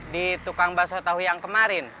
di tukang basah tauhu yang kemarin